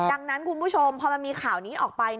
ดังนั้นคุณผู้ชมพอมันมีข่าวนี้ออกไป